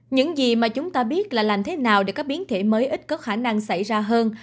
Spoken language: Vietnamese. những gì mà chúng ta biết là làm thế nào để các biến thể mới ít có khả năng xảy ra hơn